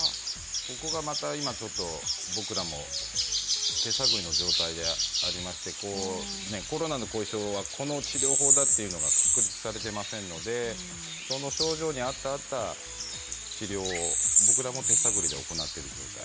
そこがまた今ちょっと僕らも手探りの状態でありましてコロナの後遺症はこの治療法だというのが確立されてませんのでその症状に合った治療を僕らも手探りで行っている状態。